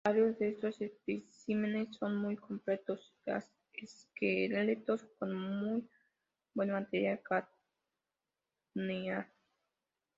Varios de estos especímenes son muy completos esqueletos con muy buen material craneal.